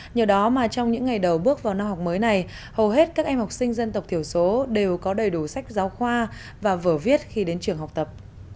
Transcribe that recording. nhờ đó mà trong những ngày đầu bước vào năm học mới này hầu hết các em học sinh dân tộc thiểu số đều có đầy đủ sách giáo khoa và vở viết khi đến trường học tập